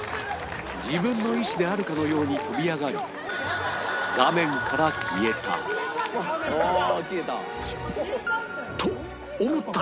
自分の意思であるかのように飛び上がり「ああ消えた」と思ったら